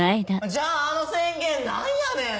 じゃああの宣言何やねん！